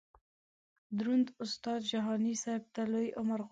دروند استاد جهاني صیب ته لوی عمر غواړم.